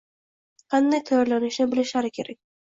Qanday tayyorlanishni bilishlari kerak.